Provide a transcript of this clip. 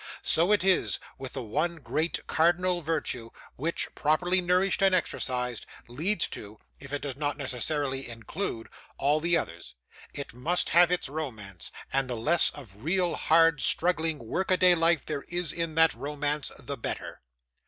So it is with the one great cardinal virtue, which, properly nourished and exercised, leads to, if it does not necessarily include, all the others. It must have its romance; and the less of real, hard, struggling work a day life there is in that romance, the better.